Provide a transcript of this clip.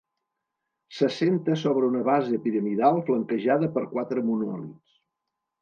S'assenta sobre una base piramidal flanquejada per quatre monòlits.